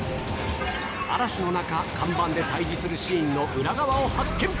嵐の中、甲板で対じするシーンの裏側を発見。